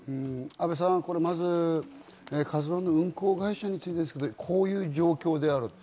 安倍さん、「ＫＡＺＵ１」の運航会社についてこういう状況である。